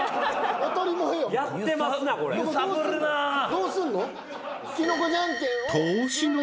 どうすんの？